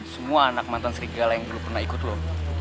semua anak mantan serigala yang dulu pernah ikut loh